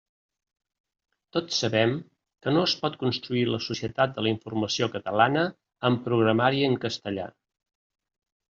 Tots sabem que no es pot construir la Societat de la Informació catalana amb programari en castellà.